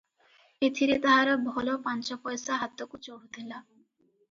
ଏଥିରେ ତାହାର ଭଲ ପାଞ୍ଚପଇସା ହାତକୁ ଚଢୁଥିଲା ।